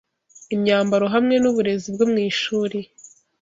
imyambaro hamwe n’uburezi bwo mu ishuri.